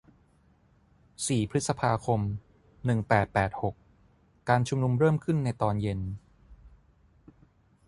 สี่พฤษภาคม หนึ่งแปดแปดหก การชุมนุมเริ่มขึ้นในตอนเย็น